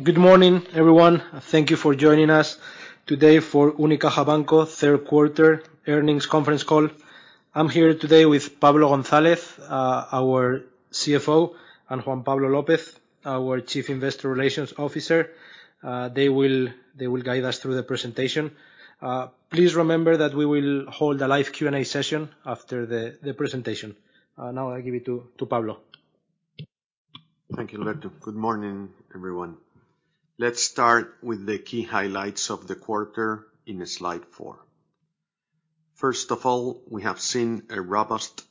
Good morning, everyone. Thank you for joining us today for Unicaja Banco third quarter earnings conference call. I'm here today with Pablo González, our CFO, and Juan Pablo López, our Chief Investor Relations Officer. They will guide us through the presentation. Please remember that we will hold a live Q&A session after the presentation. Now I give it to Pablo. Thank you, Roberto. Good morning, everyone. Let's start with the key highlights of the quarter in slide four. First of all, we have seen a robust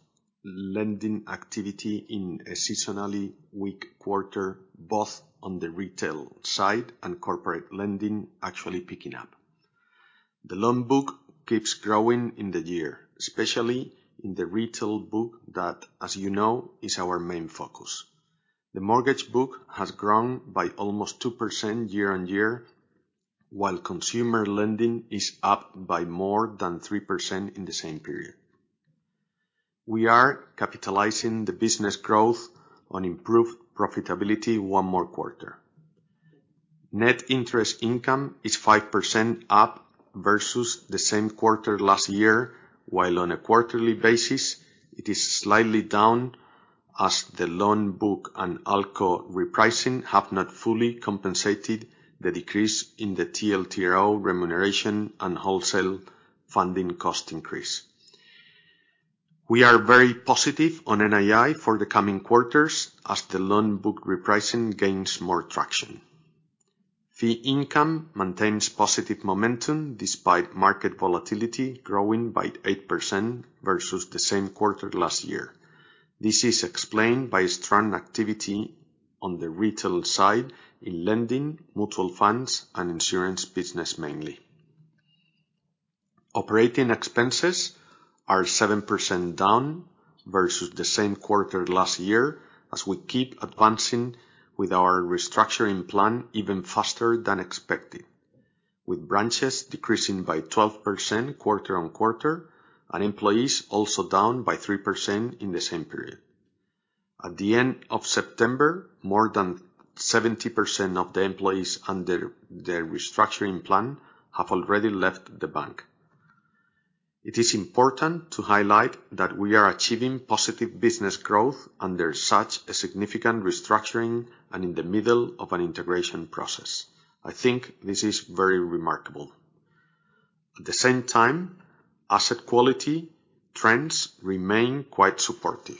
lending activity in a seasonally weak quarter, both on the retail side and corporate lending actually picking up. The loan book keeps growing in the year, especially in the retail book that, as you know, is our main focus. The mortgage book has grown by almost 2% year-on-year, while consumer lending is up by more than 3% in the same period. We are capitalizing the business growth on improved profitability one more quarter. Net interest income is 5% up versus the same quarter last year, while on a quarterly basis, it is slightly down as the loan book and ALCO repricing have not fully compensated the decrease in the TLTRO remuneration and wholesale funding cost increase. We are very positive on NII for the coming quarters as the loan book repricing gains more traction. Fee income maintains positive momentum despite market volatility growing by 8% versus the same quarter last year. This is explained by strong activity on the retail side in lending, mutual funds, and insurance business mainly. Operating expenses are 7% down versus the same quarter last year as we keep advancing with our restructuring plan even faster than expected, with branches decreasing by 12% quarter-over-quarter, and employees also down by 3% in the same period. At the end of September, more than 70% of the employees under the restructuring plan have already left the bank. It is important to highlight that we are achieving positive business growth under such a significant restructuring and in the middle of an integration process. I think this is very remarkable. At the same time, asset quality trends remain quite supportive.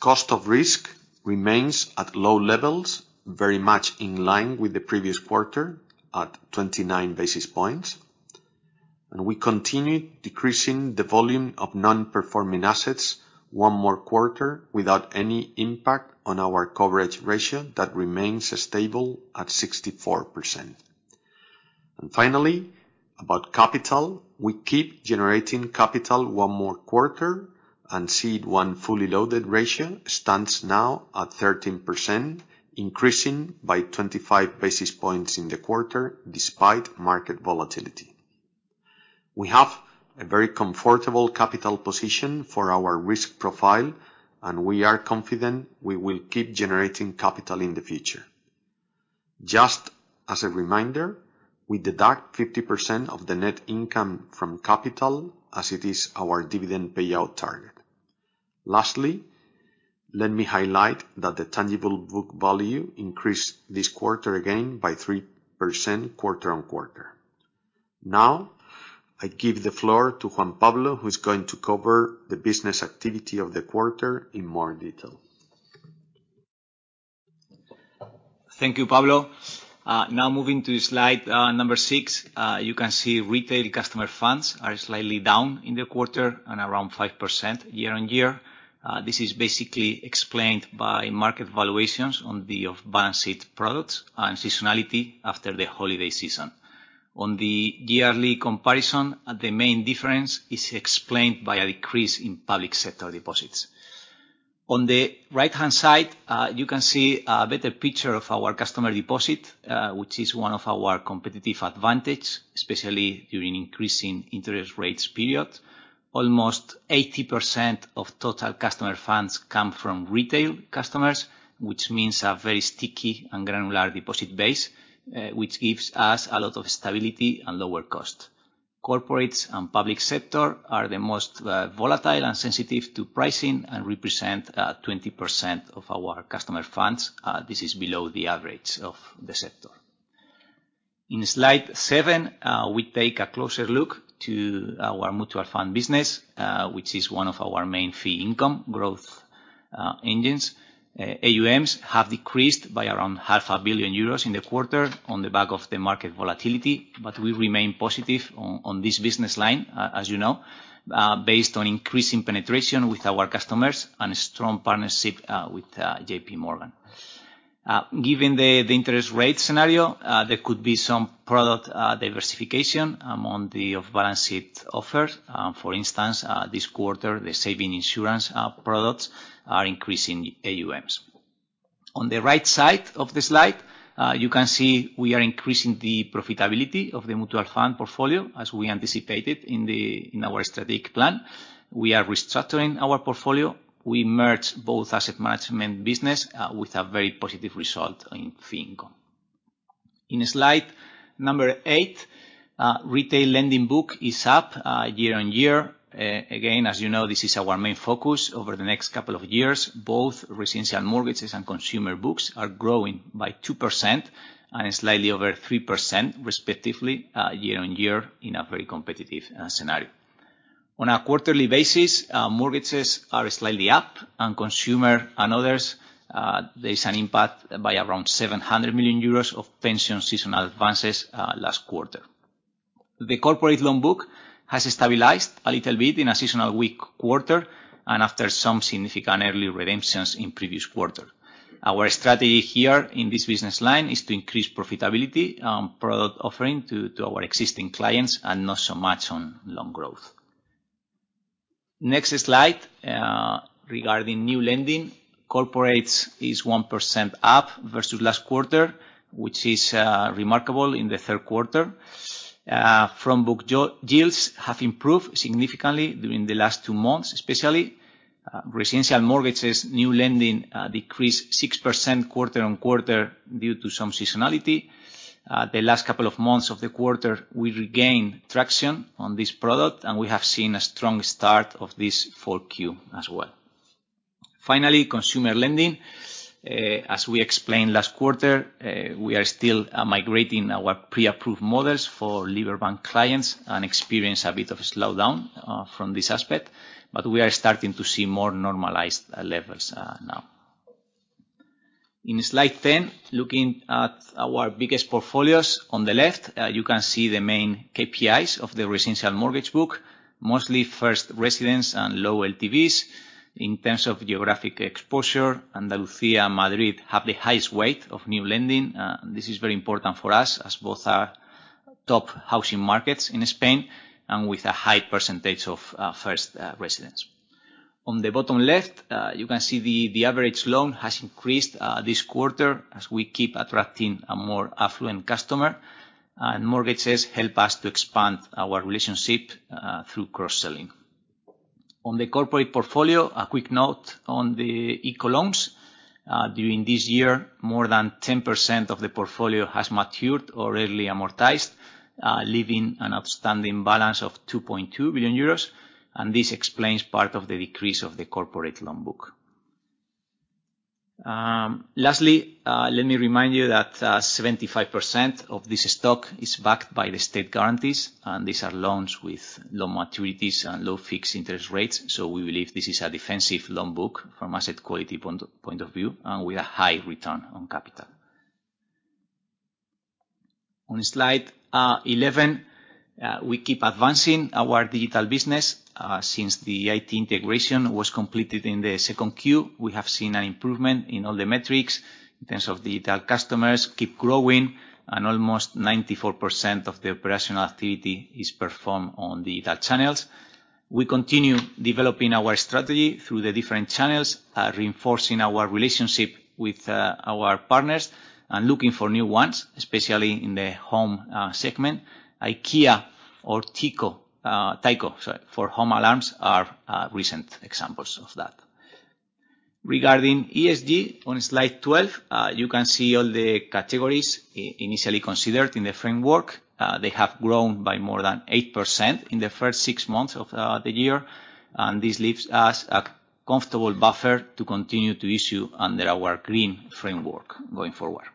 Cost of risk remains at low levels, very much in line with the previous quarter at 29 basis points. We continue decreasing the volume of non-performing assets one more quarter without any impact on our coverage ratio that remains stable at 64%. Finally, about capital, we keep generating capital one more quarter and CET1 fully loaded ratio stands now at 13%, increasing by 25 basis points in the quarter despite market volatility. We have a very comfortable capital position for our risk profile, and we are confident we will keep generating capital in the future. Just as a reminder, we deduct 50% of the net income from capital as it is our dividend payout target. Lastly, let me highlight that the tangible book value increased this quarter again by 3% quarter on quarter. Now, I give the floor to Juan Pablo, who's going to cover the business activity of the quarter in more detail. Thank you, Pablo. Now moving to slide number six, you can see retail customer funds are slightly down in the quarter and around 5% year-on-year. This is basically explained by market valuations on the off-balance sheet products and seasonality after the holiday season. On the yearly comparison, the main difference is explained by a decrease in public sector deposits. On the right-hand side, you can see a better picture of our customer deposit, which is one of our competitive advantage, especially during increasing interest rates period. Almost 80% of total customer funds come from retail customers, which means a very sticky and granular deposit base, which gives us a lot of stability and lower cost. Corporates and public sector are the most volatile and sensitive to pricing and represent 20% of our customer funds. This is below the average of the sector. In slide seven, we take a closer look at our mutual fund business, which is one of our main fee income growth engines. AUMs have decreased by around half a billion EUR in the quarter on the back of the market volatility, but we remain positive on this business line, as you know, based on increasing penetration with our customers and a strong partnership with JPMorgan. Given the interest rate scenario, there could be some product diversification among the off-balance sheet offers. For instance, this quarter, the savings insurance products are increasing AUMs. On the right side of the slide, you can see we are increasing the profitability of the mutual fund portfolio, as we anticipated in our strategic plan. We are restructuring our portfolio. We merged both asset management business with a very positive result in fee income. In slide number eight, retail lending book is up year-on-year. Again, as you know, this is our main focus over the next couple of years, both residential mortgages and consumer books are growing by 2% and slightly over 3% respectively year-on-year in a very competitive scenario. On a quarterly basis, mortgages are slightly up, and consumer and others, there's an impact by around 700 million euros of pension seasonal advances last quarter. The corporate loan book has stabilized a little bit in a seasonal weak quarter and after some significant early redemptions in previous quarter. Our strategy here in this business line is to increase profitability on product offering to our existing clients and not so much on loan growth. Next slide, regarding new lending. Corporate is 1% up versus last quarter, which is remarkable in the third quarter. Backlog deals have improved significantly during the last two months, especially. Residential mortgages, new lending, decreased 6% quarter-on-quarter due to some seasonality. The last couple of months of the quarter, we regained traction on this product, and we have seen a strong start of this Q4 as well. Finally, consumer lending. As we explained last quarter, we are still migrating our pre-approved models for Liberbank clients and experience a bit of a slowdown from this aspect, but we are starting to see more normalized levels now. In slide 10, looking at our biggest portfolios. On the left, you can see the main KPIs of the residential mortgage book, mostly first residents and low LTVs. In terms of geographic exposure, Andalucía and Madrid have the highest weight of new lending. This is very important for us as both are top housing markets in Spain and with a high percentage of first residents. On the bottom left, you can see the average loan has increased this quarter as we keep attracting a more affluent customer, and mortgages help us to expand our relationship through cross-selling. On the corporate portfolio, a quick note on the ICO loans. During this year, more than 10% of the portfolio has matured or early amortized, leaving an outstanding balance of 2.2 billion euros, and this explains part of the decrease of the corporate loan book. Lastly, let me remind you that 75% of this stock is backed by the state guarantees, and these are loans with low maturities and low fixed interest rates. We believe this is a defensive loan book from asset quality point of view and with a high return on capital. On slide 11, we keep advancing our digital business. Since the IT integration was completed in the second Q, we have seen an improvement in all the metrics. In terms of digital customers keep growing, and almost 94% of the operational activity is performed on digital channels. We continue developing our strategy through the different channels, reinforcing our relationship with our partners and looking for new ones, especially in the home segment. IKEA orTyco, sorry, for home alarms are recent examples of that. Regarding ESG, on slide 12, you can see all the categories initially considered in the framework. They have grown by more than 8% in the first six months of the year, and this leaves us a comfortable buffer to continue to issue under our green framework going forward.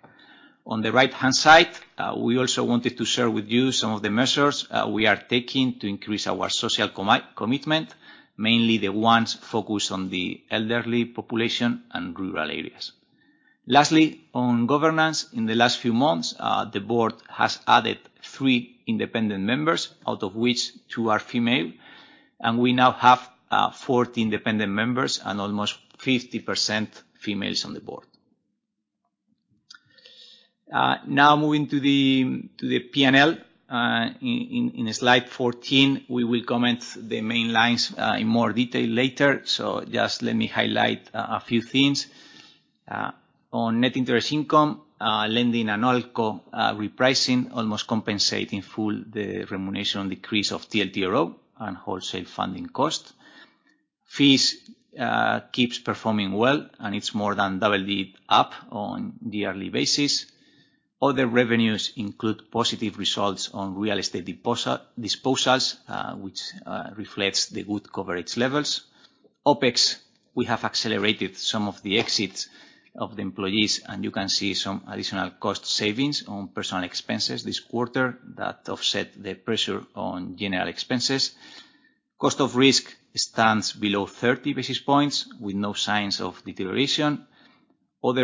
On the right-hand side, we also wanted to share with you some of the measures we are taking to increase our social commitment, mainly the ones focused on the elderly population and rural areas. Lastly, on governance, in the last few months, the board has added three independent members, out of which two are female, and we now have 40 independent members and almost 50% females on the board. Now moving to the P&L in slide 14. We will comment the main lines in more detail later, so just let me highlight a few things. On net interest income, going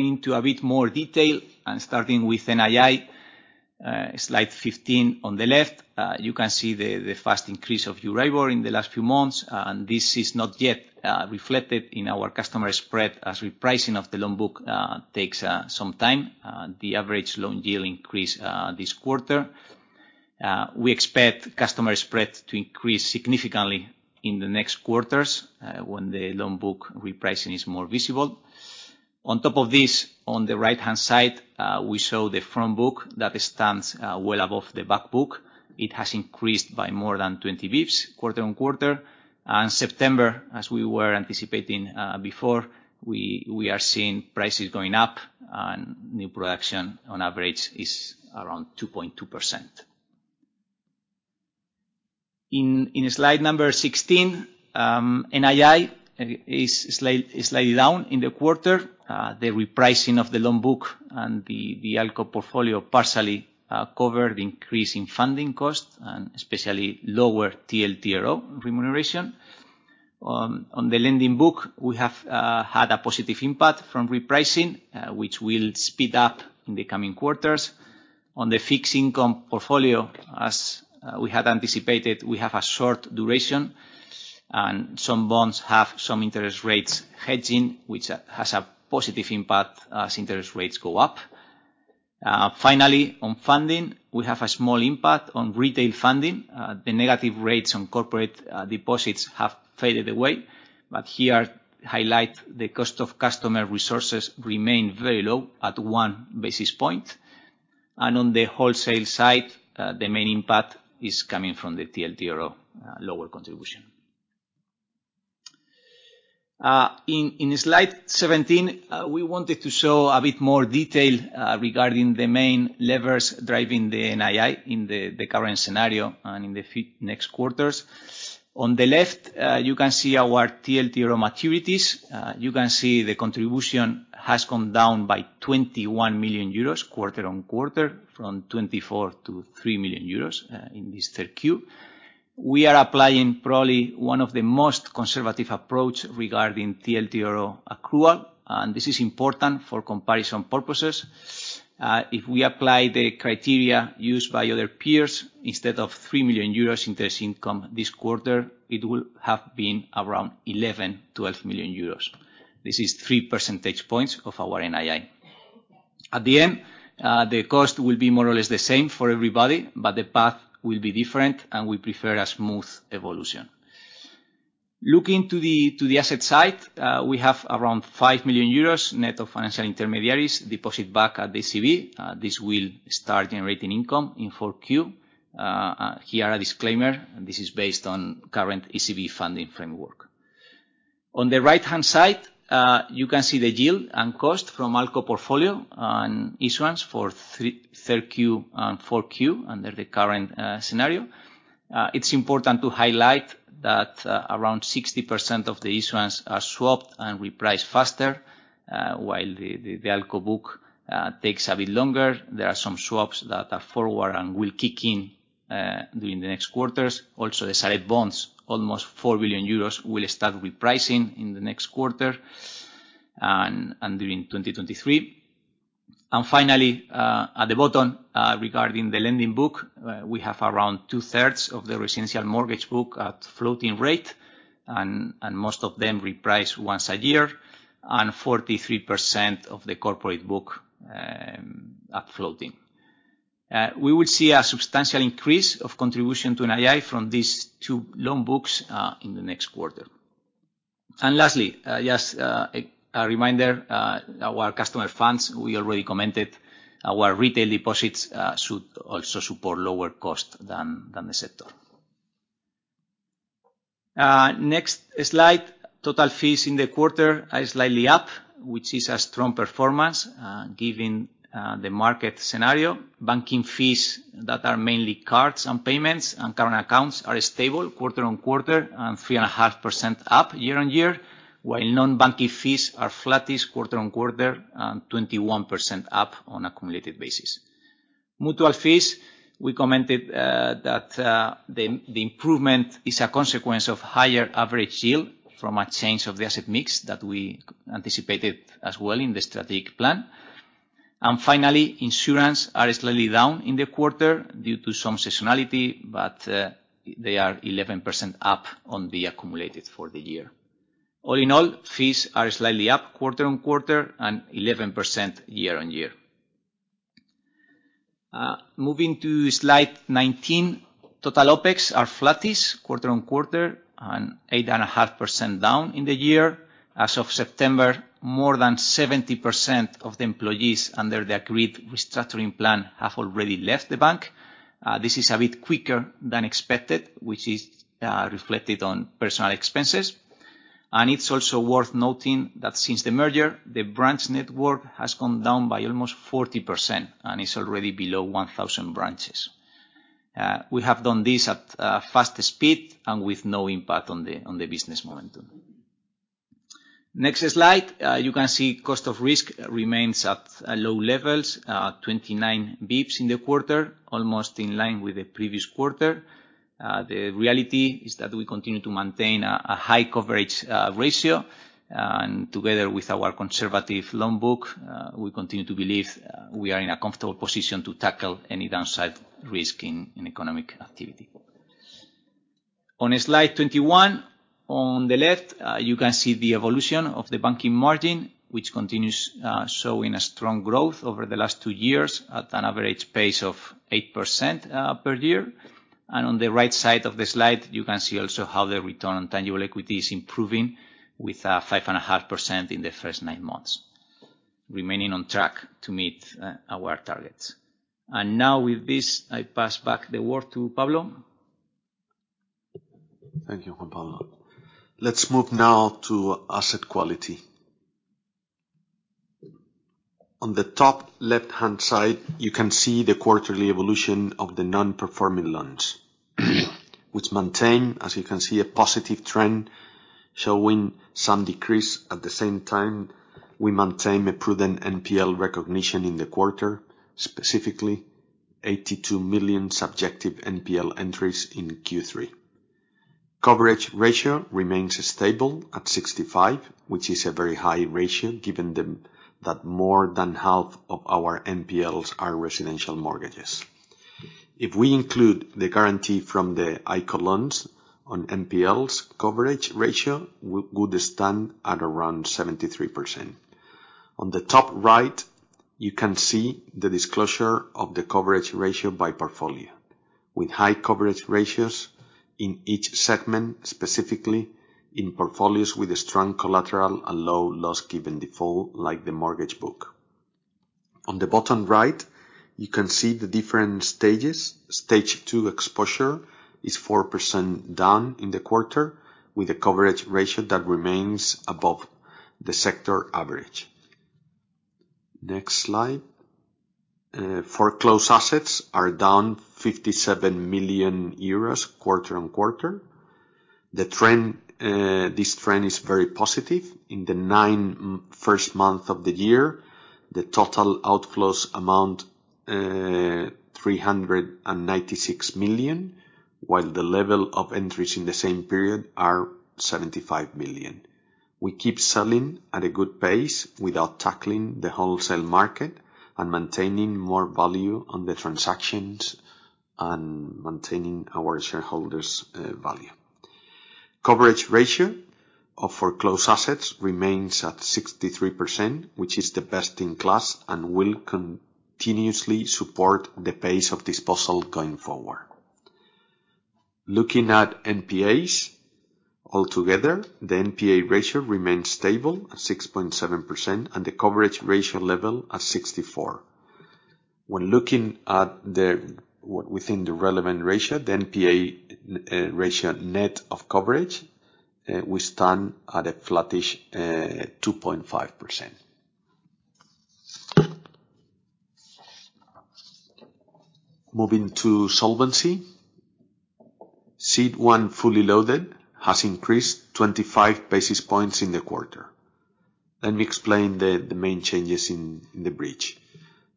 into a bit more detail and starting with NII, slide 15 on the left, you can see the fast increase of Euribor in the last few months. This is not yet reflected in our customer spread as repricing of the loan book takes some time. The average loan yield increased this quarter. We expect customer spread to increase significantly in the next quarters when the loan book repricing is more visible. On top of this, on the right-hand side, we show the front book that stands well above the back book. It has increased by more than 20 bps quarter-on-quarter. In September, as we were anticipating, we are seeing prices going up and new production on average is around 2.2%. In slide number 16, NII is slightly down in the quarter. The repricing of the loan book and the ALCO portfolio partially covered increasing funding costs and especially lower TLTRO remuneration. On the lending book, we have had a positive impact from repricing, which will speed up in the coming quarters. On the fixed income portfolio, as we had anticipated, we have a short duration, and some bonds have some interest rates hedging, which has a positive impact as interest rates go up. Finally, on funding, we have a small impact on retail funding. The negative rates on corporate deposits have faded away. But here, highlight the cost of customer resources remain very low at one basis point. On the wholesale side, the main impact is coming from the TLTRO lower contribution. In slide 17, we wanted to show a bit more detail regarding the main levers driving the NII in the current scenario and in the few next quarters. On the left, you can see our TLTRO maturities. You can see the contribution has come down by 21 million euros quarter on quarter, from 24 million to 3 million euros in this third Q. We are applying probably one of the most conservative approach regarding TLTRO accrual, and this is important for comparison purposes. If we apply the criteria used by other peers, instead of 3 million euros interest income this quarter, it will have been around 11-12 million euros. This is 3 percentage points of our NII. At the end, the cost will be more or less the same for everybody, but the path will be different, and we prefer a smooth evolution. Looking to the asset side, we have around 5 million euros net of financial intermediaries deposit back at the ECB. This will start generating income in four Q. Here's a disclaimer, and this is based on current ECB funding framework. On the right-hand side, you can see the yield and cost from ALCO portfolio and issuance for 3Q and 4Q under the current scenario. It's important to highlight that around 60% of the issuance are swapped and reprice faster while the ALCO book takes a bit longer. There are some swaps that are forward and will kick in during the next quarters. Also, the SAREB bonds, almost 4 billion euros, will start repricing in the next quarter and during 2023. Finally, at the bottom, regarding the lending book, we have around two-thirds of the residential mortgage book at floating rate, and most of them reprice once a year, and 43% of the corporate book are floating. We will see a substantial increase of contribution to NII from these two loan books in the next quarter. Lastly, just a reminder, our customer funds, we already commented, our retail deposits should also support lower cost than the sector. Next slide, total fees in the quarter are slightly up, which is a strong performance, given the market scenario. Banking fees that are mainly cards and payments and current accounts are stable quarter-on-quarter and 3.5% up year-on-year, while non-bank fees are flat quarter-on-quarter and 21% up on a cumulative basis. Mutual fees, we commented, that the improvement is a consequence of higher average yield from a change of the asset mix that we anticipated as well in the strategic plan. Finally, insurance are slightly down in the quarter due to some seasonality, but they are 11% up on the accumulated for the year. All in all, fees are slightly up quarter-on-quarter and 11% year-on-year. Moving to slide 19. Total OpEx are flat quarter-on-quarter and 8.5% down in the year. As of September, more than 70% of the employees under the agreed restructuring plan have already left the bank. This is a bit quicker than expected, which is reflected on personal expenses. It's also worth noting that since the merger, the branch network has gone down by almost 40% and is already below 1,000 branches. We have done this at faster speed and with no impact on the business momentum. Next slide. You can see cost of risk remains at low levels, 29 basis points in the quarter, almost in line with the previous quarter. The reality is that we continue to maintain a high coverage ratio. Together with our conservative loan book, we continue to believe we are in a comfortable position to tackle any downside risk in economic activity. On slide 21, on the left, you can see the evolution of the banking margin, which continues showing a strong growth over the last two years at an average pace of 8% per year. On the right side of the slide, you can see also how the return on tangible equity is improving with 5.5% in the first nine months, remaining on track to meet our targets. Now with this, I pass back the work to Pablo. Thank you, Juan Pablo. Let's move now to asset quality. On the top left-hand side, you can see the quarterly evolution of the non-performing loans, which maintain, as you can see, a positive trend, showing some decrease. At the same time, we maintain a prudent NPL recognition in the quarter, specifically 82 million stage 2 NPL entries in Q3. Coverage ratio remains stable at 65%, which is a very high ratio given that more than half of our NPLs are residential mortgages. If we include the guarantee from the ICO loans on NPLs, coverage ratio would stand at around 73%. On the top right, you can see the disclosure of the coverage ratio by portfolio, with high coverage ratios in each segment, specifically in portfolios with strong collateral and low loss given default, like the mortgage book. On the bottom right, you can see the different stages. Stage 2 exposure is 4% down in the quarter, with a coverage ratio that remains above the sector average. Next slide. Foreclosed assets are down 57 million euros quarter on quarter. The trend, this trend is very positive. In the first nine months of the year, the total outflows amount three hundred and ninety-six million, while the level of entries in the same period are seventy-five million. We keep selling at a good pace without tackling the wholesale market and maintaining more value on the transactions and maintaining our shareholders' value. Coverage ratio of foreclosed assets remains at 63%, which is the best in class and will continuously support the pace of disposal going forward. Looking at NPAs. Altogether, the NPA ratio remains stable at 6.7%, and the coverage ratio level at 64. When looking at the. Within the relevant ratio, the NPA ratio net of coverage, we stand at a flattish 2.5%. Moving to solvency. CET1 fully loaded has increased 25 basis points in the quarter. Let me explain the main changes in the bridge.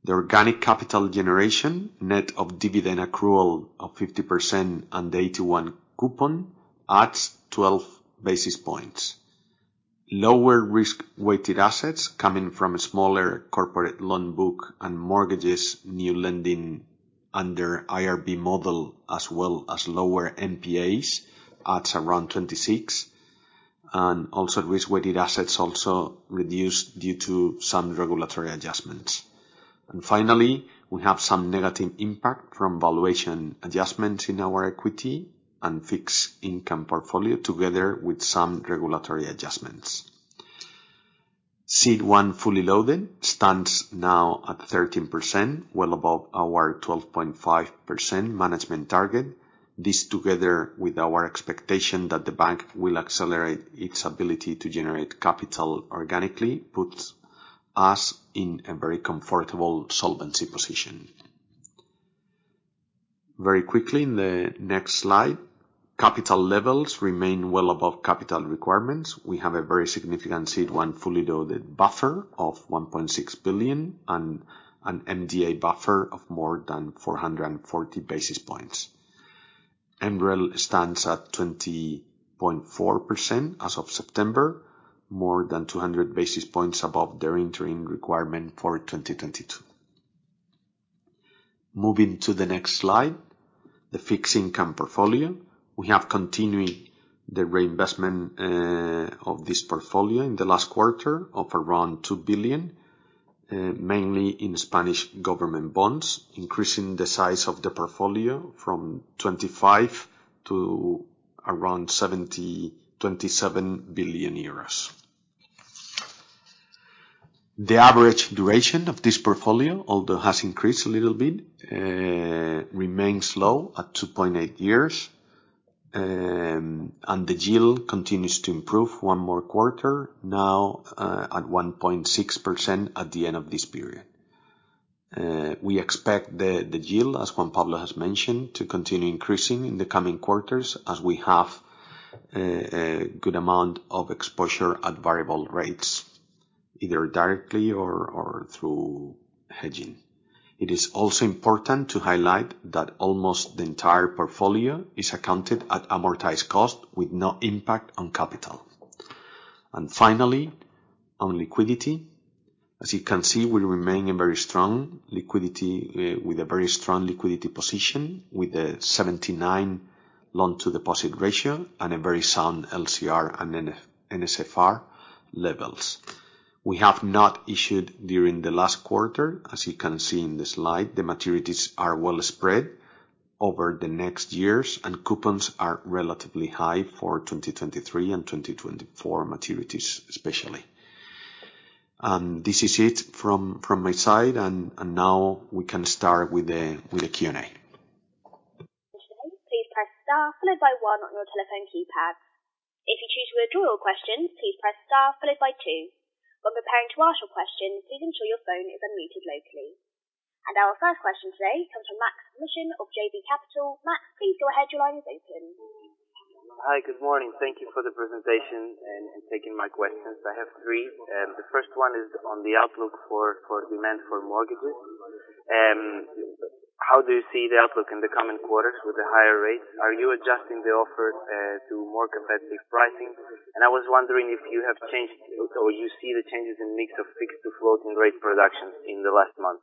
The organic capital generation, net of dividend accrual of 50% and 81 coupon adds 12 basis points. Lower risk-weighted assets coming from a smaller corporate loan book and mortgages new lending under IRB model, as well as lower NPAs, adds around 26. Risk-weighted assets also reduce due to some regulatory adjustments. Finally, we have some negative impact from valuation adjustments in our equity and fixed income portfolio together with some regulatory adjustments. CET1 fully loaded stands now at 13%, well above our 12.5% management target. This, together with our expectation that the bank will accelerate its ability to generate capital organically, puts us in a very comfortable solvency position. Very quickly, in the next slide, capital levels remain well above capital requirements. We have a very significant CET1 fully loaded buffer of 1.6 billion and an MDA buffer of more than 440 basis points. MREL stands at 20.4% as of September, more than 200 basis points above their entering requirement for 2022. Moving to the next slide, the fixed income portfolio. We have continued the reinvestment of this portfolio in the last quarter of around 2 billion, mainly in Spanish government bonds, increasing the size of the portfolio from 25 billion to around 27 billion euros. The average duration of this portfolio, although has increased a little bit, remains low at 2.8 years. The yield continues to improve one more quarter, now, at 1.6% at the end of this period. We expect the yield, as Juan Pablo has mentioned, to continue increasing in the coming quarters as we have a good amount of exposure at variable rates, either directly or through hedging. It is also important to highlight that almost the entire portfolio is accounted at amortized cost with no impact on capital. Finally, on liquidity, as you can see, we remain a very strong liquidity with a very strong liquidity position, with a 79 loan to deposit ratio and a very sound LCR and NSFR levels. We have not issued during the last quarter. As you can see in the slide, the maturities are well spread over the next years, and coupons are relatively high for 2023 and 2024 maturities, especially. This is it from my side. Now we can start with the Q&A. Please press Star followed by one on your telephone keypad. If you choose to withdraw your question, please press Star followed by two. When preparing to ask your question, please ensure your phone is unmuted locally. Our first question today comes from Maksym Mishyn of JB Capital. Maksym, please go ahead. Your line is open. Hi. Good morning. Thank you for the presentation and taking my questions. I have three. The first one is on the outlook for demand for mortgages. How do you see the outlook in the coming quarters with the higher rates? Are you adjusting the offer to more competitive pricing? And I was wondering if you have changed or you see the changes in mix of fixed to floating rate productions in the last month.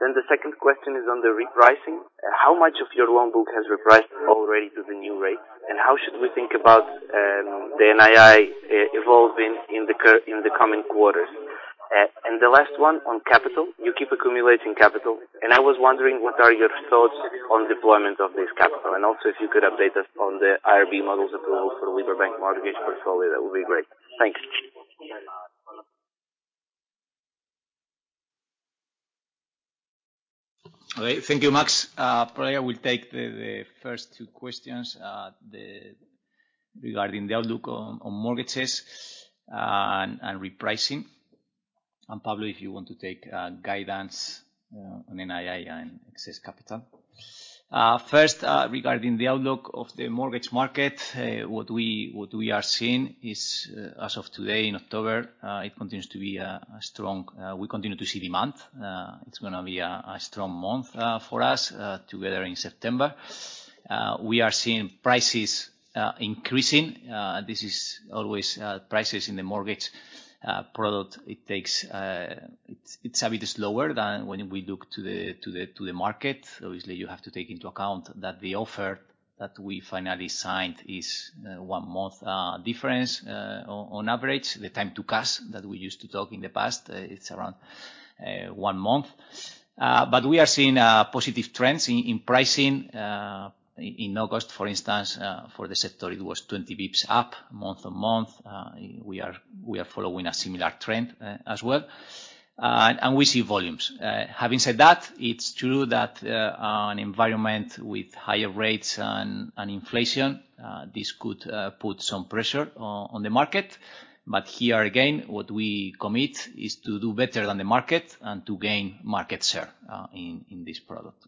The second question is on the repricing. How much of your loan book has repriced already to the new rates? And how should we think about the NII evolving in the coming quarters? The last one on capital. You keep accumulating capital, and I was wondering what are your thoughts on deployment of this capital? Also if you could update us on the IRB models approval for Liberbank mortgage portfolio, that would be great. Thanks. Okay. Thank you, Maks. Probably I will take the first two questions regarding the outlook on mortgages and repricing. Pablo, if you want to take guidance on NII and excess capital. First, regarding the outlook of the mortgage market, what we are seeing is, as of today in October, it continues to be a strong. We continue to see demand. It's gonna be a strong month for us together in September. We are seeing prices increasing. This is always prices in the mortgage product. It's a bit slower than when we look to the market. Obviously, you have to take into account that the offer that we finally signed is one month difference on average. The time to cash that we used to talk in the past, it's around one month. We are seeing positive trends in pricing. In August, for instance, for the sector, it was 20 basis points up month-on-month. We are following a similar trend as well. We see volumes. Having said that, it's true that an environment with higher rates and inflation, this could put some pressure on the market. Here again, what we commit is to do better than the market and to gain market share in this product.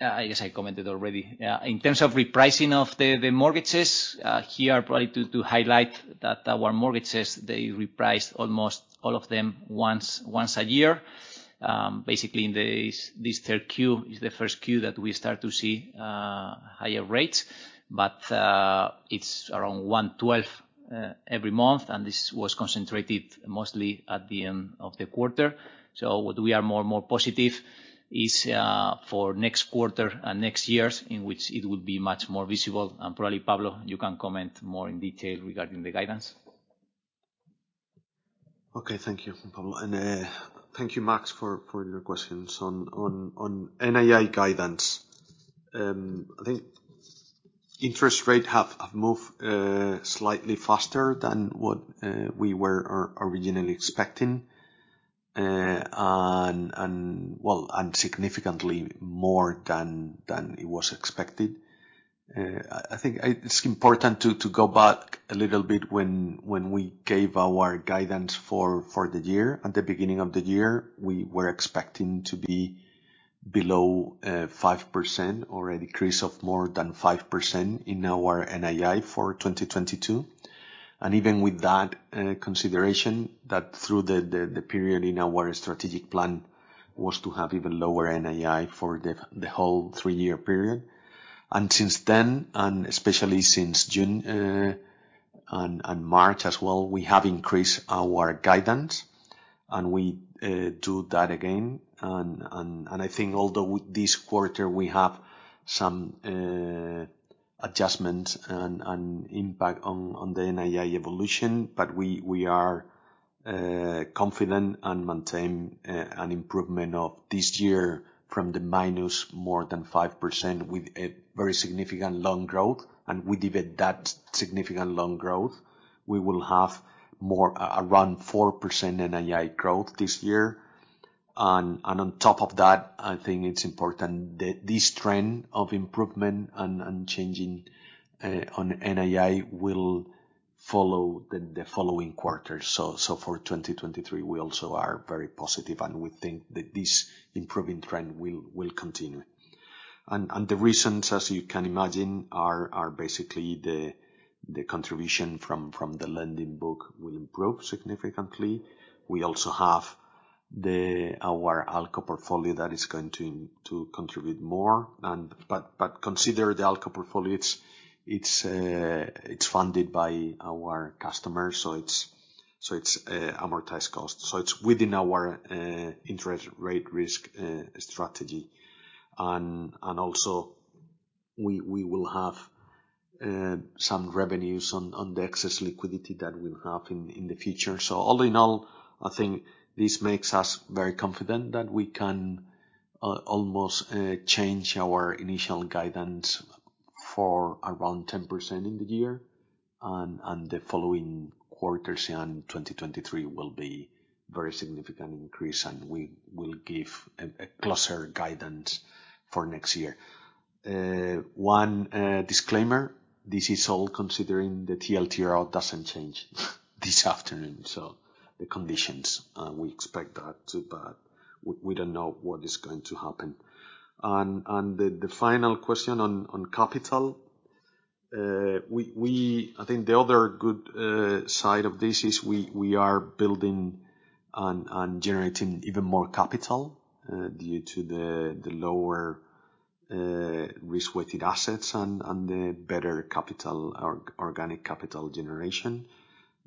I guess I commented already. In terms of repricing of the mortgages, here probably to highlight that our mortgages, they reprice almost all of them once a year. Basically in this third Q is the first Q that we start to see higher rates. It's around 1/12 every month, and this was concentrated mostly at the end of the quarter. What we are more and more positive is for next quarter and next years in which it would be much more visible. Probably Pablo González, you can comment more in detail regarding the guidance. Okay. Thank you, Pablo. Thank you, Maks, for your questions. On NII guidance, I think interest rates have moved slightly faster than what we were originally expecting. Well, significantly more than it was expected. I think it's important to go back a little bit when we gave our guidance for the year. At the beginning of the year, we were expecting to be below 5% or a decrease of more than 5% in our NII for 2022. Even with that consideration, that through the period in our strategic plan was to have even lower NII for the whole three-year period. Since then, especially since June and March as well, we have increased our guidance, and we do that again. I think although this quarter we have some adjustment and impact on the NII evolution, but we are confident and maintain an improvement of this year from minus more than 5% with a very significant loan growth. With even that significant loan growth, we will have more around 4% NII growth this year. On top of that, I think it's important that this trend of improvement and changing on NII will follow the following quarters. For 2023, we also are very positive, and we think that this improving trend will continue. The reasons, as you can imagine, are basically the contribution from the lending book will improve significantly. We also have our ALCO portfolio that is going to contribute more. Consider the ALCO portfolio, it's funded by our customers, so it's amortized cost. It's within our interest rate risk strategy. We will have some revenues on the excess liquidity that we'll have in the future. All in all, I think this makes us very confident that we can almost change our initial guidance for around 10% in the year, and the following quarters in 2023 will be very significant increase, and we will give a closer guidance for next year. One disclaimer, this is all considering the TLTRO doesn't change this afternoon. The conditions we expect that to, but we don't know what is going to happen. The final question on capital. I think the other good side of this is we are building and generating even more capital due to the lower risk-weighted assets and the better organic capital generation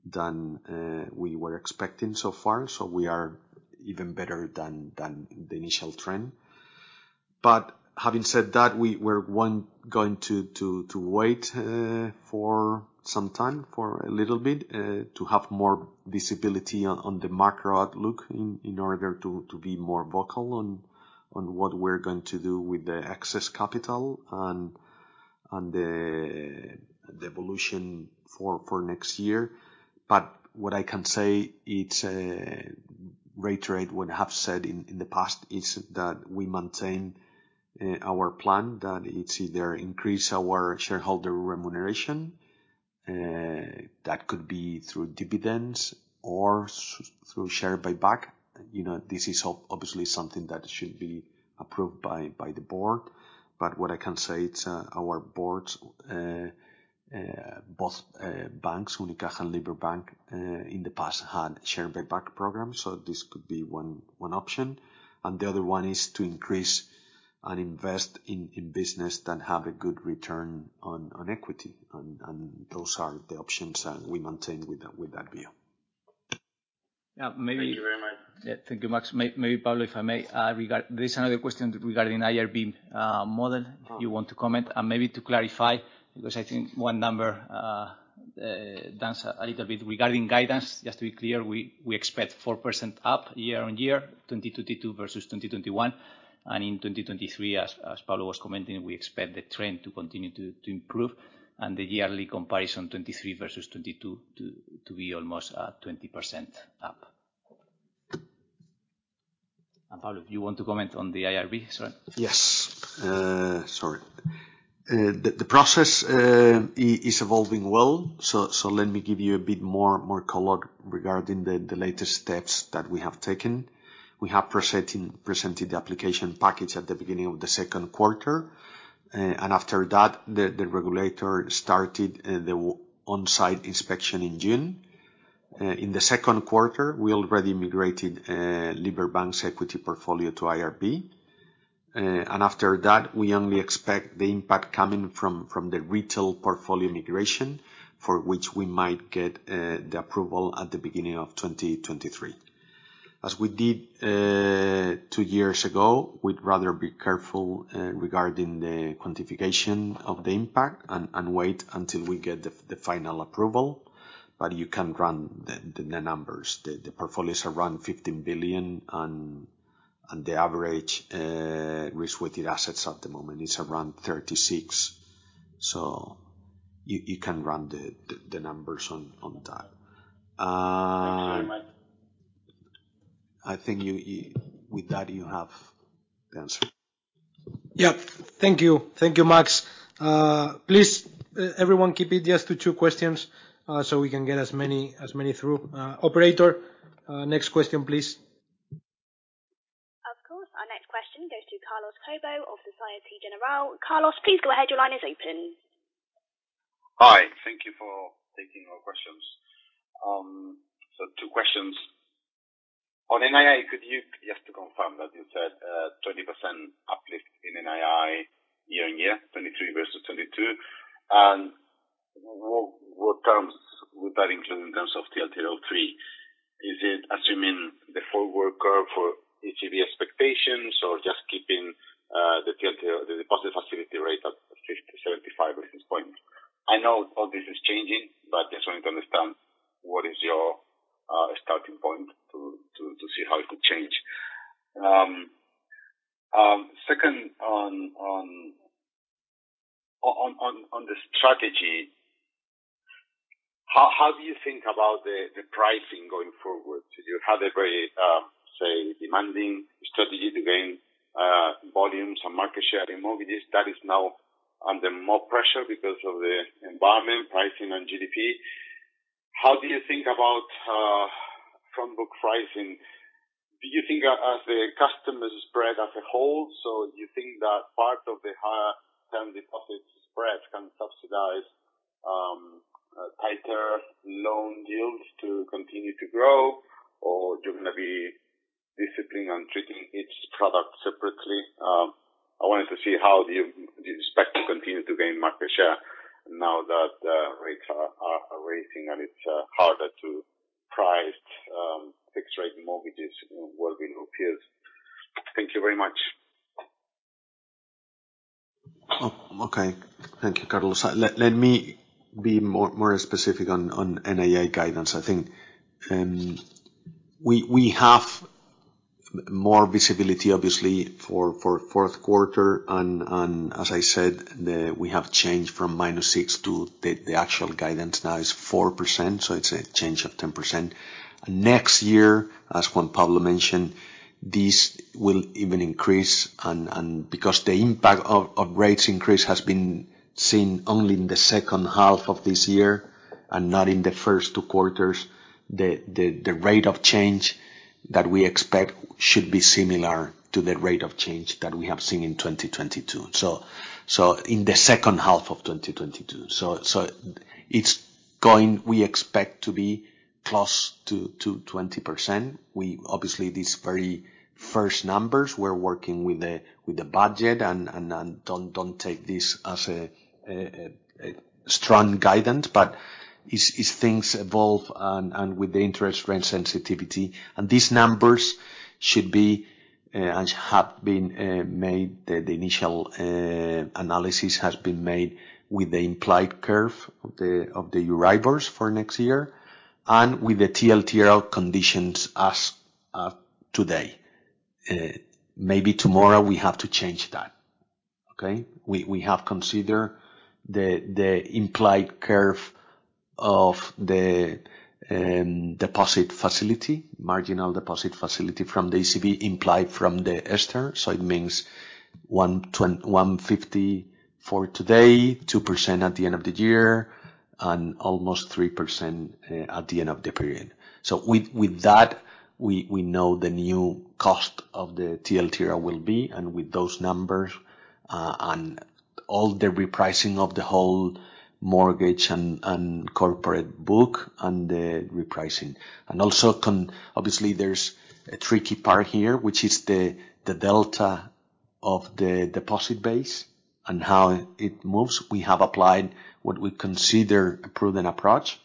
than we were expecting so far. We are even better than the initial trend. Having said that, we're going to wait for some time, for a little bit, to have more visibility on the macro outlook in order to be more vocal on what we're going to do with the excess capital and the evolution for next year. What I can say, it's reiterating what I have said in the past, is that we maintain our plan that it's either increase our shareholder remuneration, that could be through dividends or through share buyback. You know, this is obviously something that should be approved by the board. What I can say, it's our boards, both banks, Unicaja and Liberbank, in the past had share buyback program, so this could be one option. The other one is to increase and invest in business that have a good return on equity. Those are the options, and we maintain with that view. Yeah, maybe. Thank you very much. Yeah. Thank you, Maks. Maybe Pablo, if I may. There's another question regarding IRB model, if you want to comment. Maybe to clarify, because I think one number dances a little bit regarding guidance. Just to be clear, we expect 4% up year-on-year, 2022 versus 2021. In 2023, as Pablo was commenting, we expect the trend to continue to improve and the yearly comparison, 2023 versus 2022 to be almost 20% up. Pablo, if you want to comment on the IRB. Sorry. Yes. Sorry. The process is evolving well. Let me give you a bit more color regarding the latest steps that we have taken. We have presented the application package at the beginning of the second quarter. After that, the regulator started on-site inspection in June. In the second quarter, we already migrated Liberbank's equity portfolio to IRB. After that, we only expect the impact coming from the retail portfolio migration, for which we might get the approval at the beginning of 2023. As we did two years ago, we'd rather be careful regarding the quantification of the impact and wait until we get the final approval, but you can run the net numbers. The portfolios are around 15 billion, and the average risk-weighted assets at the moment is around 36 billion. You can run the numbers on that. Thank you very much. With that, you have the answer. Yeah. Thank you. Thank you, Maks. Please, everyone keep it just to two questions, so we can get as many through. Operator, next question, please. Of course. Our next question goes to Carlos Cobo of Société Générale. Carlos, please go ahead. Your line is open. Hi. Thank you for taking our questions. Two questions. On NII, could you just confirm that you said 20% uplift in NII year-on-year, 2023 versus 2022? What terms would that include in terms of TLTRO three? Is it assuming the forward curve for ECB expectations or just keeping the TLTRO, the deposit facility rate at 50-75 basis points? I know all this is changing, but just want to understand what is your starting point to see how it could change. Second, on the strategy, how do you think about the pricing going forward? Do you have a very, say, demanding strategy to gain volumes and market share in mortgages that is now under more pressure because of the environment, pricing, and GDP. How do you think about front book pricing? Do you think as the customer spread as a whole, so you think that part of the higher term deposit spreads can subsidize tighter loan yields to continue to grow? Or you're gonna be disciplined and treating each product separately? I wanted to see how you expect to continue to gain market share now that rates are rising and it's harder to price fixed rate mortgages in what we know as peers. Thank you very much. Oh, okay. Thank you, Carlos. Let me be more specific on NII guidance. I think we have more visibility obviously for fourth quarter and as I said, we have changed from -6% to the actual guidance now is 4%, so it's a change of 10%. Next year, as Juan Pablo mentioned, this will even increase and because the impact of rates increase has been seen only in the second half of this year and not in the first two quarters. The rate of change that we expect should be similar to the rate of change that we have seen in 2022, in the second half of 2022. We expect to be close to 20%. Obviously, these very first numbers, we're working with the budget and don't take this as a strong guidance. As things evolve and with the interest rate sensitivity, and these numbers should be and have been made, the initial analysis has been made with the implied curve of the Euribor for next year and with the TLTRO conditions as of today. Maybe tomorrow we have to change that. Okay? We have considered the implied curve of the deposit facility, marginal lending facility from the ECB implied from the €STR. So it means 1.50% for today, 2% at the end of the year, and almost 3% at the end of the period. With that, we know the new cost of the TLTRO will be, and with those numbers, and all the repricing of the whole mortgage and corporate book and the repricing. Obviously there's a tricky part here, which is the delta of the deposit base and how it moves. We have applied what we consider a prudent approach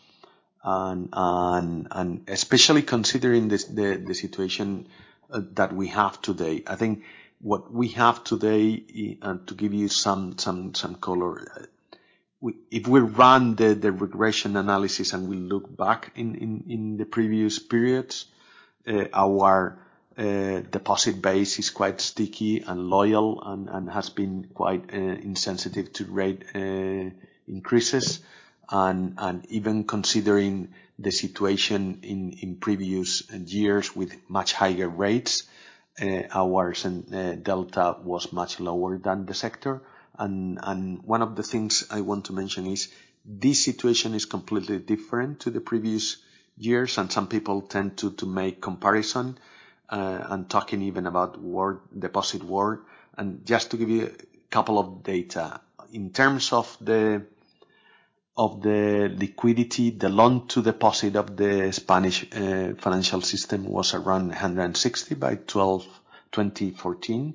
and especially considering the situation that we have today. I think what we have today, to give you some color, if we run the regression analysis and we look back in the previous periods, our deposit base is quite sticky and loyal and has been quite insensitive to rate increases. Even considering the situation in previous years with much higher rates, our delta was much lower than the sector. One of the things I want to mention is this situation is completely different to the previous years, and some people tend to make comparison and talking even about retail deposit retail. Just to give you couple of data. In terms of the liquidity, the loan-to-deposit of the Spanish financial system was around 160% in 2012-2014,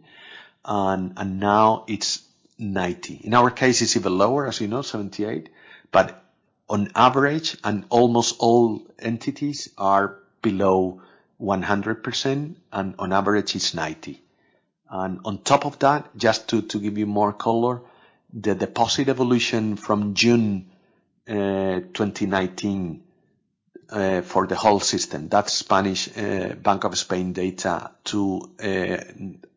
and now it's 90%. In our case, it's even lower, as you know, 78%. But on average, almost all entities are below 100%, and on average it's 90%. On top of that, just to give you more color, the deposit evolution from June 2019 for the whole system, that's Spanish Banco de España data to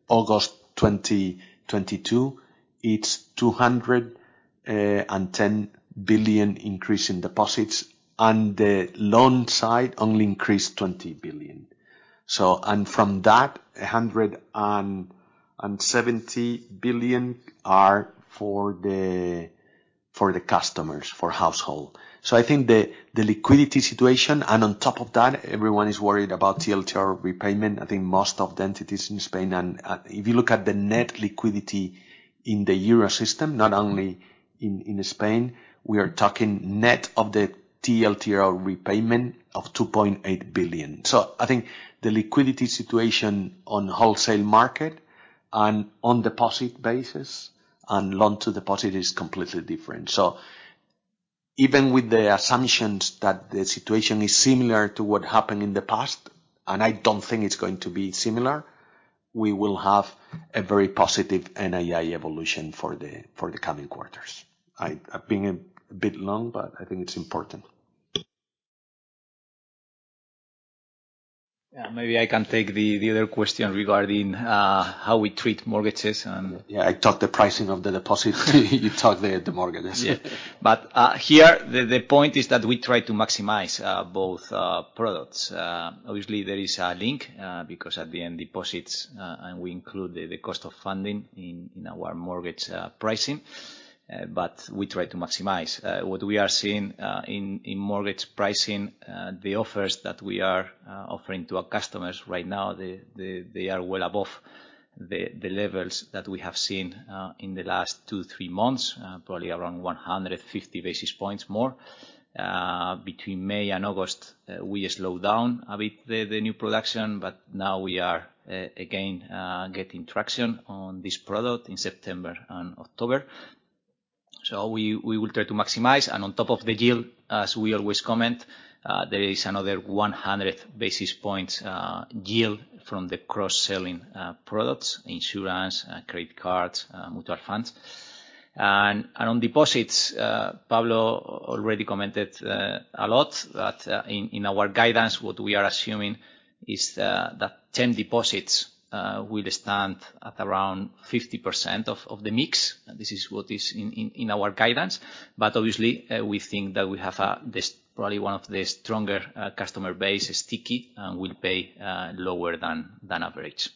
August 2022, it's 210 billion increase in deposits, and the loan side only increased 20 billion. From that, a 170 billion are for the customers, for household. I think the liquidity situation, and on top of that, everyone is worried about TLTRO repayment. I think most of the entities in Spain, and if you look at the net liquidity in the Eurosystem, not only in Spain, we are talking net of the TLTRO repayment of 2.8 billion. I think the liquidity situation on wholesale market and on deposit basis and loan-to-deposit is completely different. Even with the assumptions that the situation is similar to what happened in the past, and I don't think it's going to be similar, we will have a very positive NII evolution for the coming quarters. I've been a bit long, but I think it's important. Yeah. Maybe I can take the other question regarding how we treat mortgages and- Yeah. I took the pricing of the deposit. You took the mortgages. Yeah. Here, the point is that we try to maximize both products. Obviously there is a link, because at the end, deposits, and we include the cost of funding in our mortgage pricing. We try to maximize. What we are seeing in mortgage pricing, the offers that we are offering to our customers right now, they are well above the levels that we have seen in the last 2-3 months, probably around 150 basis points more. Between May and August, we slowed down a bit the new production, but now we are again getting traction on this product in September and October. We will try to maximize. On top of the deal, as we always comment, there is another 100 basis points deal from the cross-selling products, insurance, credit cards, mutual funds. On deposits, Pablo González already commented a lot that in our guidance, what we are assuming is that term deposits will stand at around 50% of the mix. This is what is in our guidance. Obviously, we think that we have this probably one of the stronger customer base is sticky and will pay lower than average.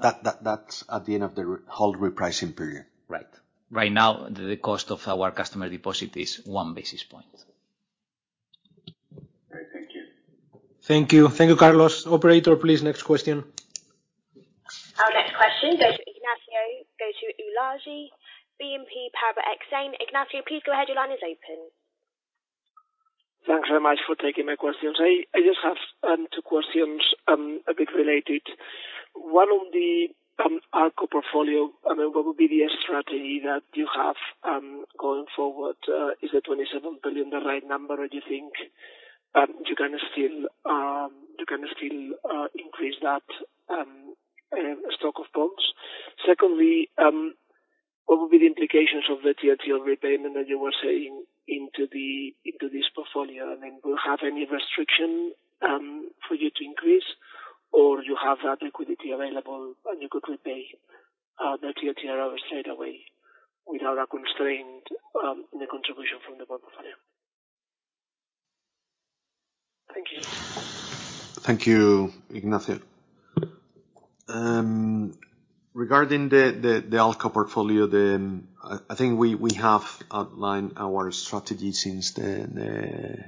That's at the end of the whole repricing period. Right. Right now, the cost of our customer deposit is 1 basis point. All right, thank you. Thank you. Thank you, Carlos. Operator, please, next question. Our next question goes to Ignacio Ulargui, BNP Paribas. Ignacio, please go ahead. Your line is open. Thanks very much for taking my questions. I just have two questions, a bit related. One on the ALCO portfolio, I mean, what would be the strategy that you have going forward? Is the 27 billion the right number or do you think you can still increase that stock of bonds? Secondly, what would be the implications of the TLTRO repayment that you were saying into this portfolio? I mean, will it have any restriction for you to increase, or you have that liquidity available and you could repay the TLTRO straight away without a constraint in the contribution from the bond portfolio? Thank you. Thank you, Ignacio. Regarding the ALCO portfolio, I think we have outlined our strategy since the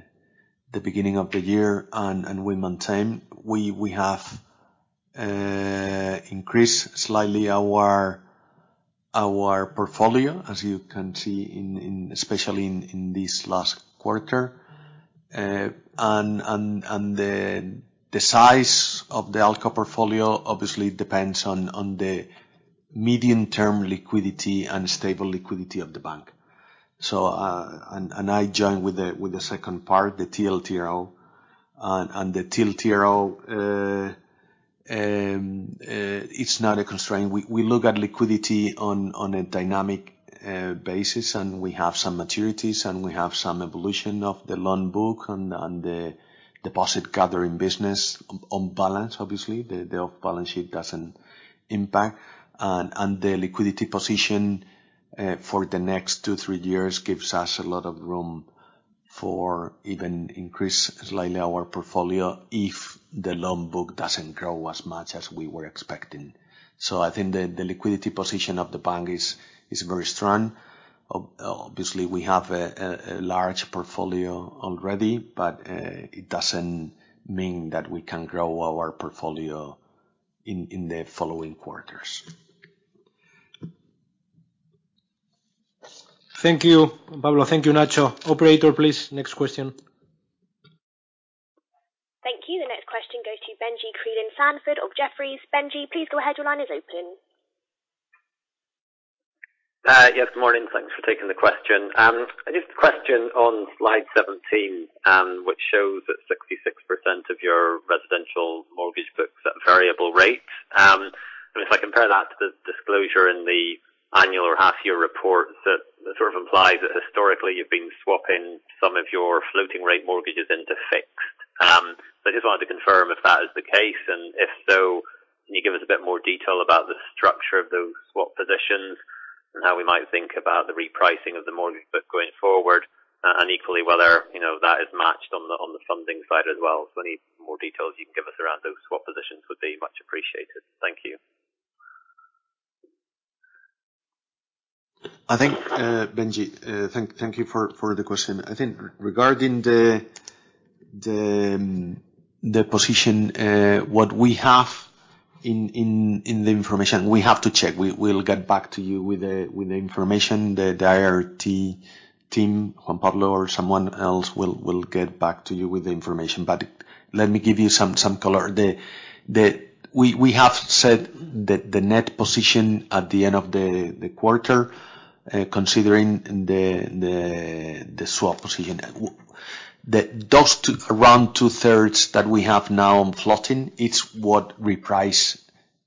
beginning of the year, and we maintain. We have increased slightly our portfolio, as you can see, especially in this last quarter. The size of the ALCO portfolio obviously depends on the medium-term liquidity and stable liquidity of the bank. I join with the second part, the TLTRO. The TLTRO, it's not a constraint. We look at liquidity on a dynamic basis, and we have some maturities, and we have some evolution of the loan book and the deposit gathering business on balance, obviously. The off-balance sheet doesn't impact. The liquidity position for the next 2-3 years gives us a lot of room for even increase slightly our portfolio if the loan book doesn't grow as much as we were expecting. I think the liquidity position of the bank is very strong. Obviously, we have a large portfolio already, but it doesn't mean that we can't grow our portfolio in the following quarters. Thank you, Pablo. Thank you, Nacho. Operator, please, next question. Thank you. The next question goes to Benjamin Creelan-Sandford of Jefferies. Benji, please go ahead. Your line is open. Yes. Good morning. Thanks for taking the question. Just a question on slide 17, which shows that 66% of your residential mortgage book's at variable rate. I mean, if I compare that to the disclosure in the annual or half-year report, that sort of implies that historically you've been swapping some of your floating rate mortgages into fixed. I just wanted to confirm if that is the case, and if so, can you give us a bit more detail about the structure of those swap positions and how we might think about the repricing of the mortgage book going forward? And equally whether, you know, that is matched on the, on the funding side as well. Any more details you can give us around those swap positions would be much appreciated. Thank you. I think, Benji, thank you for the question. I think regarding the position, what we have in the information, we have to check. We'll get back to you with the information. The IR team, Juan Pablo or someone else will get back to you with the information. Let me give you some color. We have said that the net position at the end of the quarter, considering the swap position, around two-thirds that we have now on floating, it's what reprice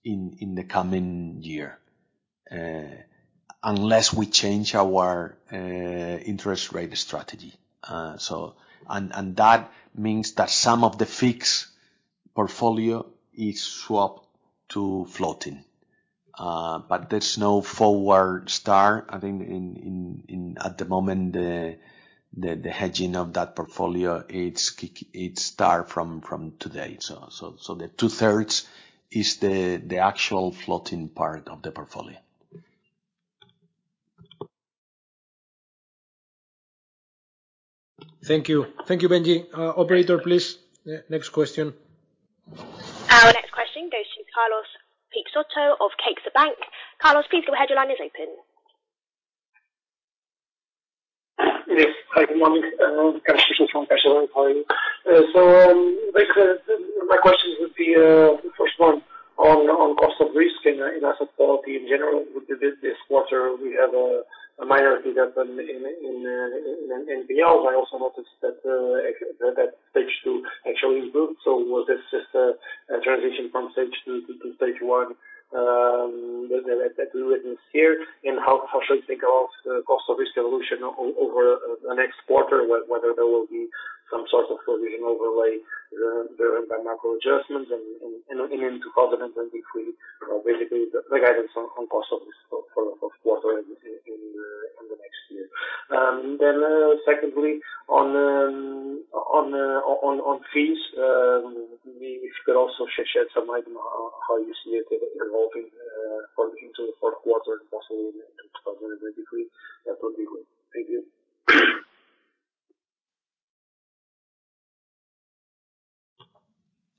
in the coming year, unless we change our interest rate strategy. That means that some of the fixed portfolio is swapped to floating. There's no forward start. I think in. At the moment, the hedging of that portfolio, it start from today. So the two-thirds is the actual floating part of the portfolio. Thank you. Thank you, Benji. Operator, please, next question. Our next question goes to Carlos Peixoto of CaixaBank. Carlos, please go ahead, your line is open. Yes. Hi, good morning. Basically, my questions would be, first one on cost of risk and asset quality in general. With this quarter, we have a minority in NPL, but I also noticed that Stage 2 actually improved. Was this just a transition from Stage 2 to Stage 1 that we witness here? How should we think about the cost of risk evolution over the next quarter, whether there will be some sort of provision overlay driven by macro adjustments and into 2023? Or basically the guidance on cost of risk for this quarter and in the next year. Secondly, on fees, if you could also share some idea on how you see it evolving going into the fourth quarter and possibly in 2023, that would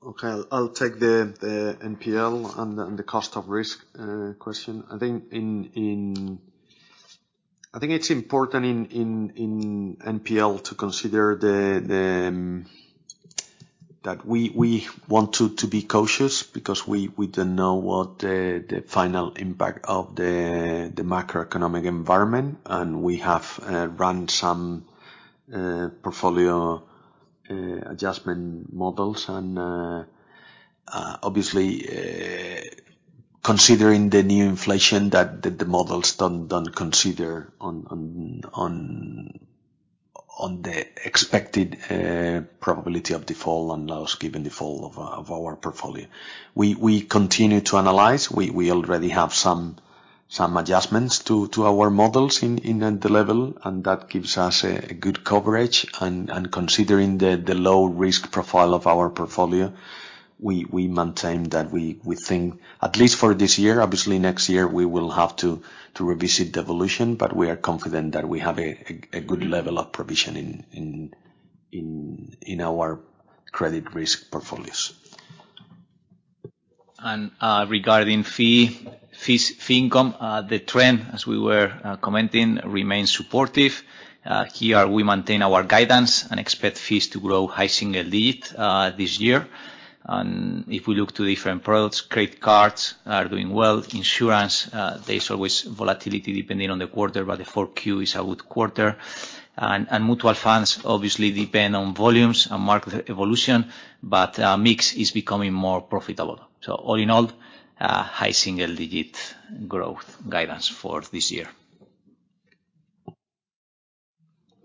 be great. Thank you. Okay. I'll take the NPL and the cost of risk question. I think it's important in NPL to consider that we want to be cautious because we don't know what the final impact of the macroeconomic environment, and we have run some portfolio adjustment models. Obviously, considering the new inflation that the models don't consider on the expected probability of default and loss given default of our portfolio. We continue to analyze. We already have some adjustments to our models in the level, and that gives us a good coverage. Considering the low risk profile of our portfolio, we maintain that we think at least for this year, obviously next year we will have to revisit the evolution, but we are confident that we have a good level of provision in our credit risk portfolios. Regarding fee income, the trend, as we were commenting, remains supportive. Here we maintain our guidance and expect fees to grow high single digit this year. If we look to different products, credit cards are doing well. Insurance, there's always volatility depending on the quarter, but the Q4 is a good quarter. Mutual funds obviously depend on volumes and market evolution, but mix is becoming more profitable. All in all, high single digit growth guidance for this year.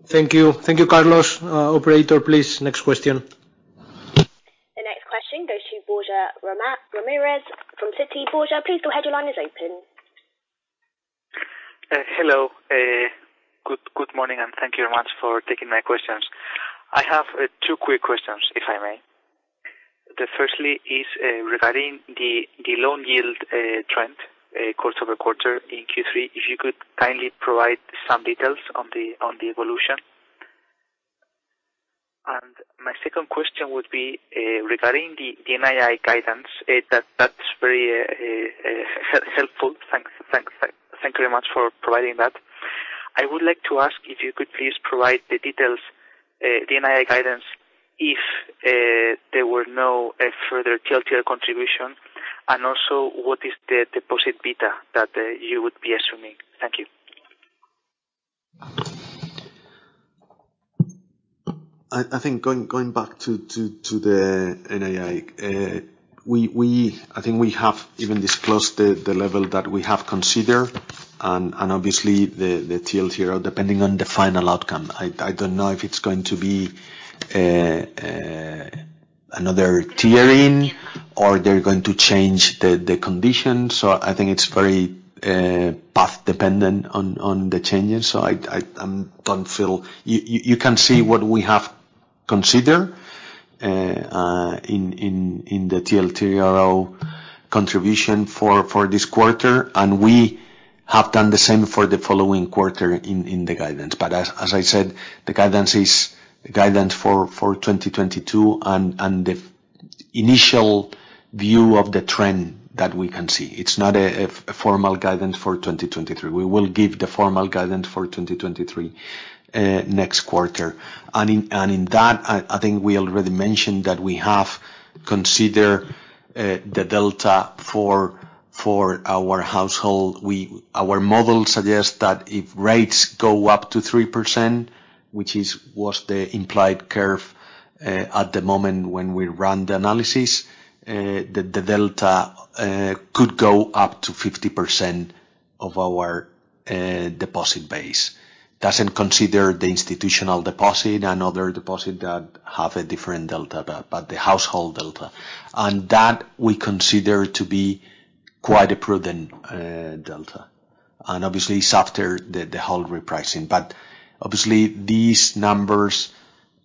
Thank you. Thank you, Carlos. Operator, please, next question. The next question goes to Borja Ramirez Segura from Citi. Borja, please go ahead, your line is open. Hello. Good morning, and thank you very much for taking my questions. I have two quick questions, if I may. Firstly is regarding the loan yield trend quarter-over-quarter in Q3. If you could kindly provide some details on the evolution. My second question would be regarding the NII guidance that's very helpful. Thank you very much for providing that. I would like to ask if you could please provide the details, NII guidance if there were no further TLTRO contribution, and also what is the deposit beta that you would be assuming? Thank you. I think going back to the NII, we have even disclosed the level that we have considered and obviously the TLTRO depending on the final outcome. I don't know if it's going to be another tiering or they're going to change the conditions. I think it's very path dependent on the changes. You can see what we have considered in the TLTRO contribution for this quarter, and we have done the same for the following quarter in the guidance. As I said, the guidance is guidance for 2022 and the initial view of the trend that we can see. It's not a formal guidance for 2023. We will give the formal guidance for 2023 next quarter. In that, I think we already mentioned that we have considered the delta for our household. Our model suggests that if rates go up to 3%, which is what the implied curve at the moment when we run the analysis, the delta could go up to 50% of our deposit base. It doesn't consider the institutional deposit and other deposit that have a different delta, but the household delta. That we consider to be quite a prudent delta, and obviously it's after the whole repricing. Obviously these numbers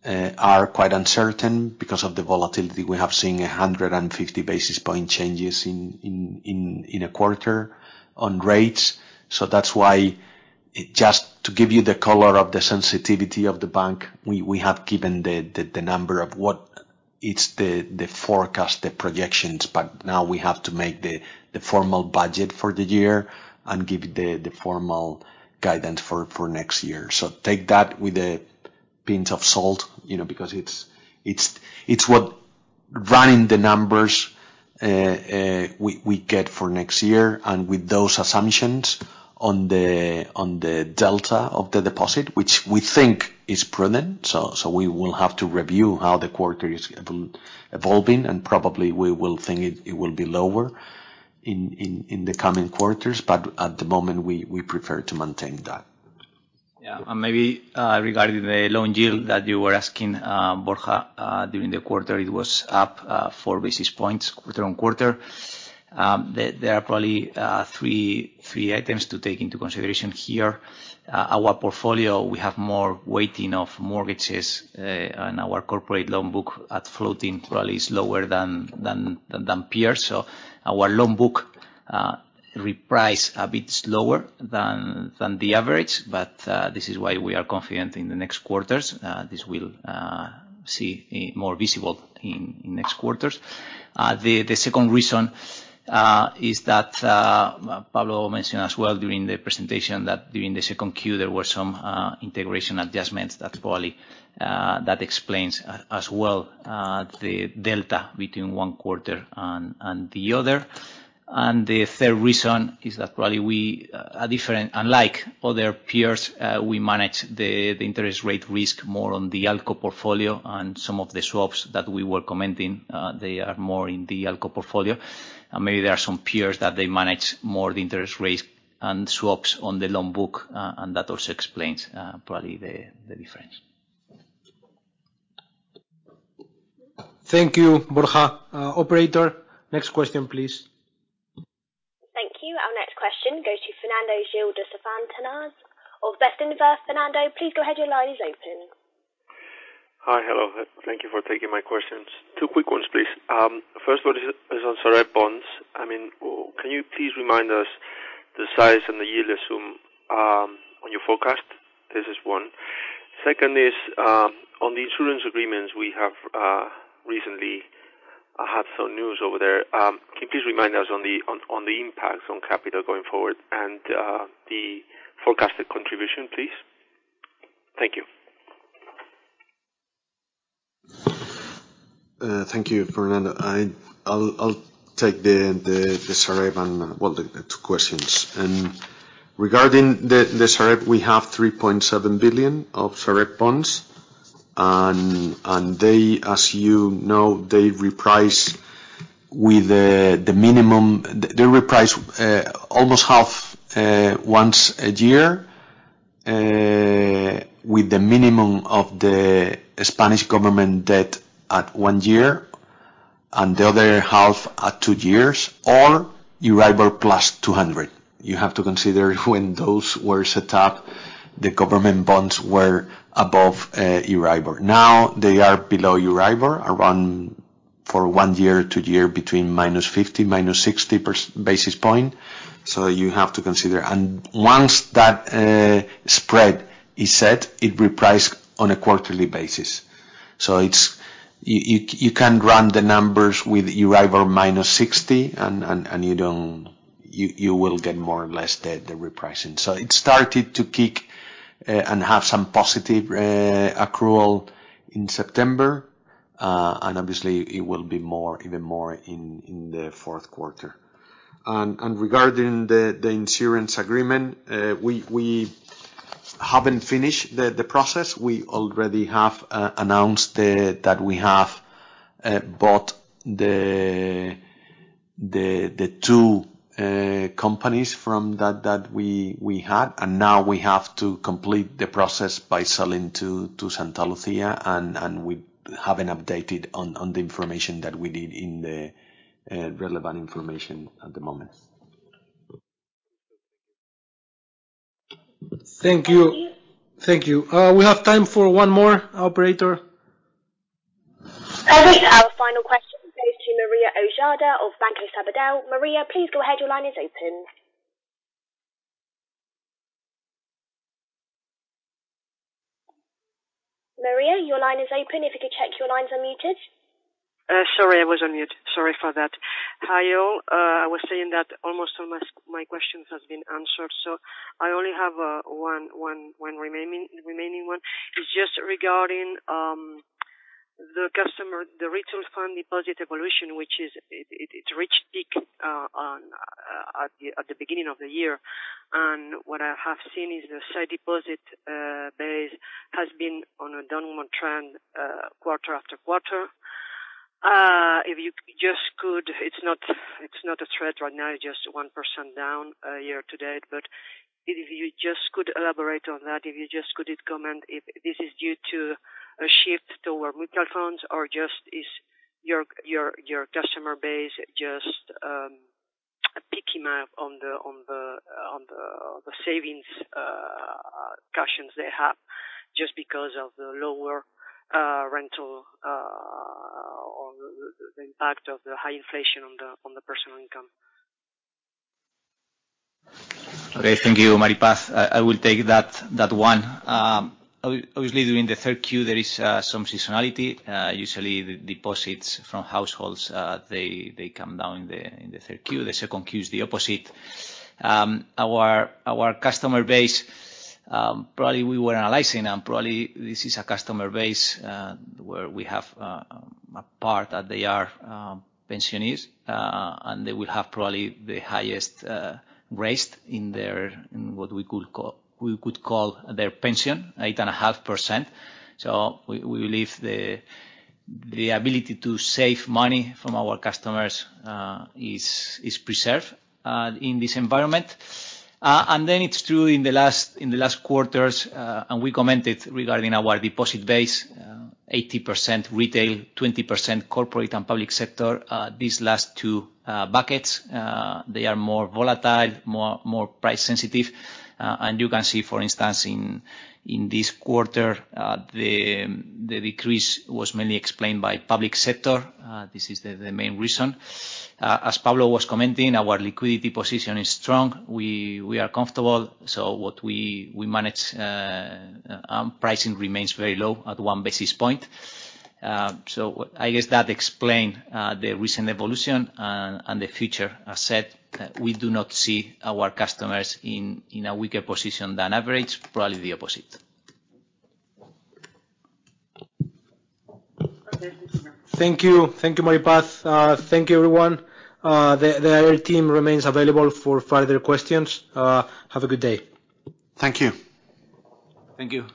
are quite uncertain because of the volatility. We have seen 150 basis point changes in a quarter on rates. That's why, just to give you the color of the sensitivity of the bank, we have given the number of what is the forecast, the projections. Now we have to make the formal budget for the year and give the formal guidance for next year. Take that with a pinch of salt, you know, because it's what running the numbers we get for next year, and with those assumptions on the delta of the deposit, which we think is prudent. We will have to review how the quarter is evolving, and probably we will think it will be lower in the coming quarters. At the moment, we prefer to maintain that. Yeah. Maybe, regarding the loan yield that you were asking, Borja, during the quarter, it was up four basis points quarter on quarter. There are probably three items to take into consideration here. Our portfolio, we have more weighting of mortgages, and our corporate loan book at floating probably is lower than peers. Our loan book reprice a bit slower than the average, but this is why we are confident in the next quarters. This will see more visible in next quarters. The second reason is that Pablo mentioned as well during the presentation that during the second Q, there were some integration adjustments. That's probably that explains as well the delta between one quarter and the other. The third reason is that probably we are different. Unlike other peers, we manage the interest rate risk more on the ALCO portfolio and some of the swaps that we were commenting, they are more in the ALCO portfolio. Maybe there are some peers that they manage more the interest rates and swaps on the loan book, and that also explains probably the difference. Thank you, Borja. Operator, next question, please. Thank you. Our next question goes to Fernando Gil de Santivañez of Bestinver. Fernando, please go ahead. Your line is open. Hi. Hello. Thank you for taking my questions. Two quick ones please. First one is on SAREB bonds. I mean, can you please remind us the size and the yield assumed on your forecast? This is one. Second is on the insurance agreements. We have recently had some news over there. Can you please remind us on the impacts on capital going forward and the forecasted contribution, please? Thank you. Thank you, Fernando. I'll take the SAREB and well, the two questions. Regarding the SAREB, we have 3.7 billion of SAREB bonds, and they, as you know, reprice almost half once a year with the minimum of the Spanish government debt at one year, and the other half at two years or Euribor plus 200. You have to consider when those were set up, the government bonds were above Euribor. Now they are below Euribor, around for the one-year to two-year between minus 50, minus 60 basis points. You have to consider. Once that spread is set, it reprices on a quarterly basis. You can run the numbers with Euribor minus 60. You will get more or less the repricing. It started to kick and have some positive accrual in September, and obviously it will be more, even more in the fourth quarter. Regarding the insurance agreement, we haven't finished the process. We already have announced that we have bought the two companies from that we had, and now we have to complete the process by selling to Santa Lucía, and we haven't updated on the information that we need in the relevant information at the moment. Thank you. Thank you. Thank you. We have time for one more, operator. Okay. Our final question goes to Marta Sánchez Romero of Banco Sabadell. Marta, please go ahead. Your line is open. Marta, your line is open. If you could check, your line's unmuted. Sorry, I was on mute. Sorry for that. Hi all. I was saying that almost all my questions has been answered, so I only have one remaining. It's just regarding the customer, the retail fund deposit evolution, which is, it reached peak at the beginning of the year. What I have seen is the sight deposit base has been on a downward trend quarter after quarter. If you just could, it's not a threat right now, just 1% down year to date. If you just could elaborate on that, if you just could comment, if this is due to a shift toward mutual funds or just is your customer base just picking up on the savings cushions they have just because of the lower rental or the impact of the high inflation on the personal income. Okay. Thank you, Maripaz. I will take that one. Obviously during the third Q there is some seasonality. Usually the deposits from households they come down in the third Q. The second Q is the opposite. Our customer base probably we were analyzing and probably this is a customer base where we have a part that they are pensioners and they will have probably the highest raised in their in what we could call their pension 8.5%. We believe the ability to save money from our customers is preserved in this environment. It's true in the last quarters, and we commented regarding our deposit base, 80% retail, 20% corporate and public sector. These last two buckets, they are more volatile, more price sensitive. You can see, for instance, in this quarter, the decrease was mainly explained by public sector. This is the main reason. As Pablo was commenting, our liquidity position is strong. We are comfortable. What we manage, pricing remains very low at one basis point. I guess that explain the recent evolution and the future asset. We do not see our customers in a weaker position than average, probably the opposite. Okay. Thank you. Thank you. Thank you, Ma. Thank you, everyone. The IR team remains available for further questions. Have a good day. Thank you. Thank you.